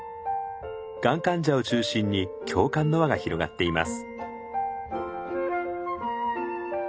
がん患者を中心に共感の輪が広がっています。